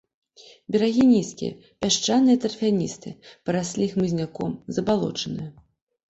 Берагі нізкія, пясчаныя і тарфяністыя, параслі хмызняком, забалочаныя.